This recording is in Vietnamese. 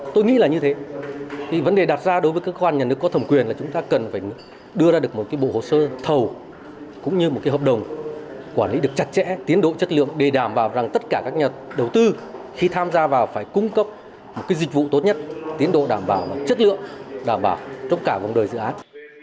tôi nghĩ là như thế vấn đề đặt ra đối với cơ quan nhà nước có thẩm quyền là chúng ta cần phải đưa ra được một bộ hồ sơ thầu cũng như một cái hợp đồng quản lý được chặt chẽ tiến độ chất lượng để đảm bảo rằng tất cả các nhà đầu tư khi tham gia vào phải cung cấp một dịch vụ tốt nhất tiến độ đảm bảo chất lượng đảm bảo trong cả vòng đời dự án